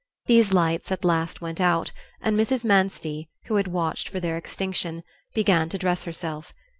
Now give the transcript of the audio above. These lights at last went out, and Mrs. Manstey, who had watched for their extinction, began to dress herself.